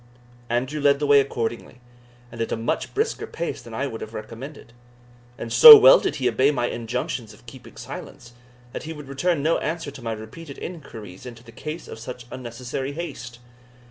Andrew led the way accordingly, and at a much brisker pace than I would have recommended. and so well did he obey my injunctions of keeping silence, that he would return no answer to my repeated inquiries into the cause of such unnecessary haste.